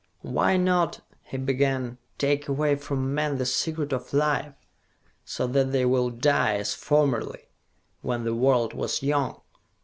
"Why not," he began, "take away from men the Secret of Life, so that they will die, as formerly, when the world was young?"